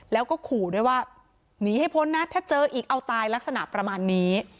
แล้วก็ขู่ด้วยว่าหนีให้พ้นนะถ้าเจออีกเอาตายลักษณะประมาณนี้